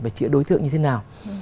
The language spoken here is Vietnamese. và chữa đối tượng như thế nào